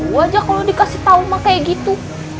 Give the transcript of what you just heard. gue aja kalau dikasih tau mah kayak gitu